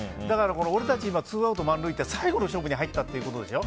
俺たち今ツーアウト満塁って最後の勝負に入ったってことでしょ。